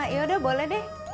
yaudah boleh deh